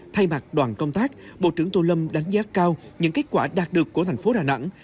thay mặt đoàn công tác bộ trưởng tô lâm đánh giá cao những kết quả đạt được của thành phố đà nẵng